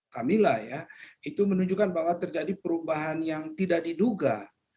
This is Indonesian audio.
camilla ya itu menunjukkan bahwa terjadi perubahan yang tidak diduga